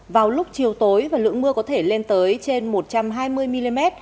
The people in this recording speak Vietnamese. vào lúc chiều tối và lượng mưa có thể lên tới trên một trăm hai mươi mm